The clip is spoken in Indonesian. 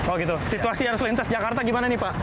oh gitu situasi harus lintas jakarta gimana nih pak